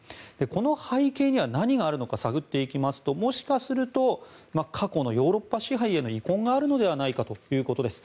この背景には何があるのか探っていきますともしかすると過去のヨーロッパ支配への遺恨があるのではないかということです。